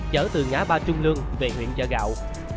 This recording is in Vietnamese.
chở từ ngã ba trung lương về huyện chợ gạo